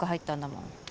もん